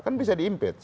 kan bisa diimpej